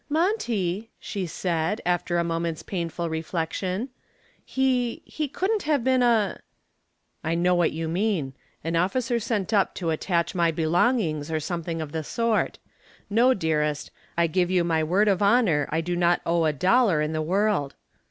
"Monty," she said, after a moment's painful reflection, "he he couldn't have been a " "I know what you mean. An officer sent up to attach my belongings or something of the sort. No, dearest; I give you my word of honor I do not owe a dollar in the world."